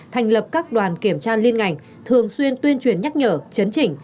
thành lập các đoàn kiểm tra liên ngành thường xuyên tuyên truyền nhắc nhở chấn chỉnh